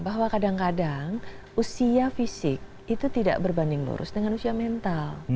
bahwa kadang kadang usia fisik itu tidak berbanding lurus dengan usia mental